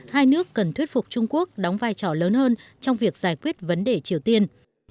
hai nước cần thuyết phục trung quốc đóng vai trò lớn hơn trong việc giải quyết vấn đề triều tiên